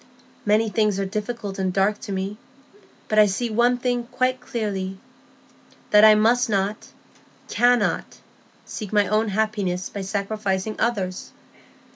Many things are difficult and dark to me; but I see one thing quite clearly,—that I must not, cannot, seek my own happiness by sacrificing others.